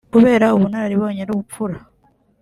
Kubera ubunararibonye n’ubupfura